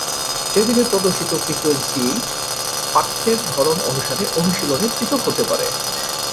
টেবিলে প্রদর্শিত ফ্রিকোয়েন্সি পাঠ্যের ধরন অনুসারে অনুশীলনে পৃথক হতে পারে।